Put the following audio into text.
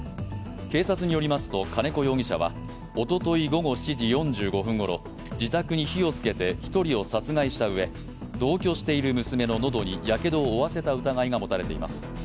警察によりますと金子容疑者はおととい午後７時４５分ごろ自宅に火をつけて１人を殺害したうえ同居している娘の喉にやけどを負わせた疑いが持たれています。